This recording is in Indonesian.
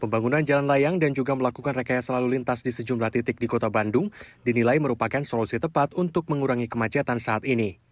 pembangunan jalan layang dan juga melakukan rekayasa lalu lintas di sejumlah titik di kota bandung dinilai merupakan solusi tepat untuk mengurangi kemacetan saat ini